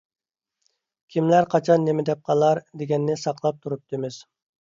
كېملەر قاچان نېمە دەپ قالار، دېگەننى ساقلاپ تۇرۇپتىمىز.